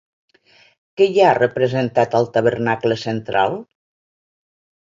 Què hi ha representat al tabernacle central?